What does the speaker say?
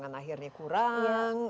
atau buangan akhirnya kurang